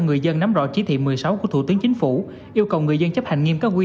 người dân nắm rõ chỉ thị một mươi sáu của thủ tướng chính phủ yêu cầu người dân chấp hành nghiêm các quy